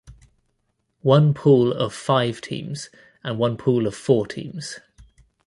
One pool of five teams and one pool of four teams.